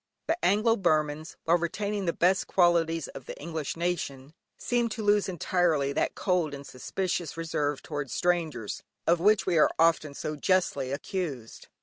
The Anglo Burmans, while retaining the best qualities of the English nation, seem to lose entirely that cold and suspicious reserve towards strangers, of which we are often so justly accused.